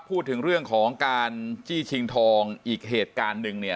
พูดถึงเรื่องของการจี้ชิงทองอีกเหตุการณ์หนึ่งเนี่ย